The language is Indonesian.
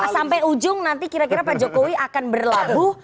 sampai ujung nanti kira kira pak jokowi akan berlabuh